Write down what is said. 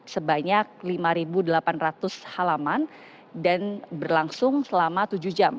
sebanyak lima delapan ratus halaman dan berlangsung selama tujuh jam